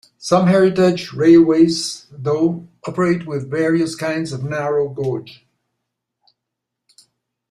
Some heritage railways, though, operate with various kinds of narrow gauge.